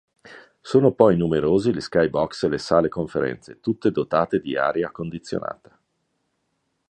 Sono poi numerosi gli sky-box e le sale conferenze, tutte dotate di aria condizionata.